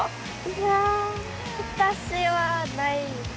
いやわたしはないです。